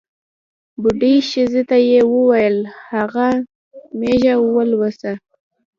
بوډۍ ښځې ته یې ووېل هغه مېږه ولوسه.